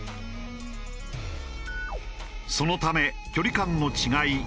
そのため距離感の違い